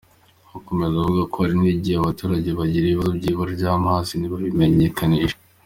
Akomeza avuga ko hari n’igihe abaturage bagira ibibazo by’ibura ry’amazi ntibabimenyekanishe.